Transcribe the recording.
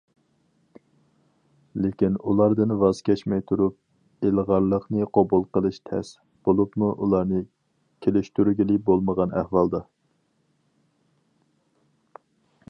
لېكىن ئۇلاردىن ۋاز كەچمەي تۇرۇپ، ئىلغارلىقنى قوبۇل قىلىش تەس، بولۇپمۇ ئۇلارنى كېلىشتۈرگىلى بولمىغان ئەھۋالدا.